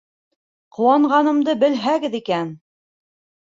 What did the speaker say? Ҡыуанғанымды белһәгеҙ икән!